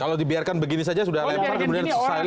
kalau dibiarkan begini saja sudah lebar kemudian silent